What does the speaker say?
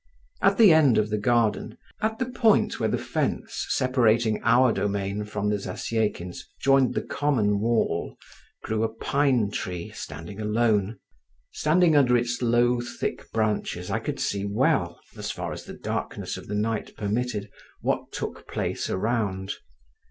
At the end of the garden, at the point where the fence, separating our domain from the Zasyekins,' joined the common wall, grew a pine tree, standing alone. Standing under its low thick branches, I could see well, as far as the darkness of the night permitted, what took place around.